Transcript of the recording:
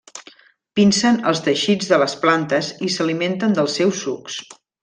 Pincen els teixits de les plantes i s'alimenten dels seus sucs.